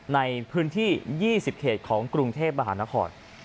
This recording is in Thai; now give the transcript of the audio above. ในพื้นที่๒๐เขตของกรุงเทพมหานคร